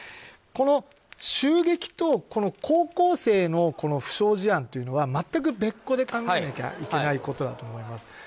この襲撃とこの高校生の負傷事案というのは全く別個で考えなきゃいけないことだと思います。